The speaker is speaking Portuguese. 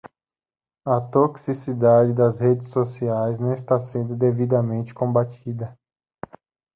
A toxicidade das redes sociais não está sendo devidamente combatida